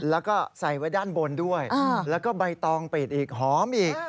แล้วก็ใส่ไว้ด้านบนด้วยแล้วก็ใบตองปิดอีกหอมอีก